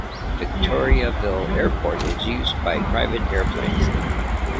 Victoriaville airport is used by private airplanes.